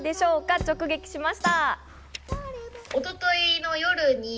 直撃しました。